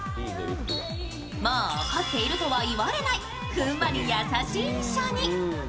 もう怒っているとは言われない、ふんわり優しい印象に。